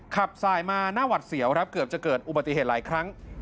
ขับสายมาหน้าหวัดเสียวครับเกือบจะเกิดอุบัติเหตุหลายครั้ง